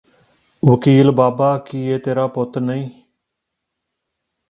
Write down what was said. ਵਕੀਲ ਬਾਬਾ ਕੀ ਇਹ ਤੇਰਾ ਪੁੱਤ ਨਹੀ